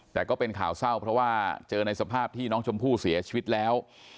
แต่ก็เป็นข่าวเศร้าเพราะว่าเจอในสภาพที่น้องชมพู่เสียชีวิตแล้ว